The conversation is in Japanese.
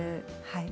はい。